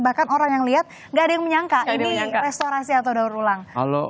bahkan orang yang lihat nggak ada yang menyangka ini restorasi atau daur ulang